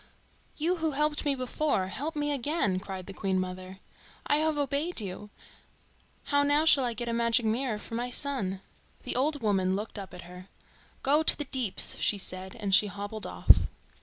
"You who helped me before, help me again!" cried the Queen mother. "I have obeyed you. How now shall I get a magic mirror for my son?" The old woman looked up at her. "Go to the Deeps," she said, and she hobbled off.